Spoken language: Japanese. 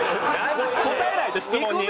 答えないと質問に。